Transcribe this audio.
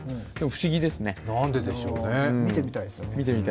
不思議ですね、見てみたいですね。